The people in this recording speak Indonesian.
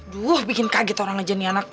duh bikin kaget orang ngejan nih anak